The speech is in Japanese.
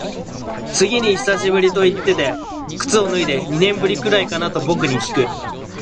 次に久しぶりと言ってて靴を脱いで、二年ぶりくらいかなと僕にきく。